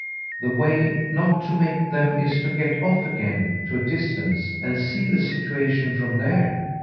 The way not to make them is to get off again to a distance and see the situation from there.